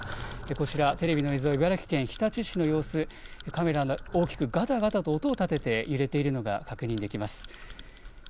こちらテレビの映像、茨城県日立市の様子、カメラが大きくガタガタと音を立てて揺れているのが確認できます。